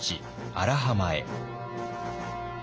荒浜へ。